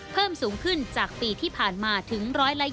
เพิ่มสูงขึ้นจากปีที่ผ่านมาถึง๑๒๐